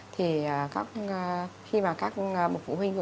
thì khi mà các bậc phụ huynh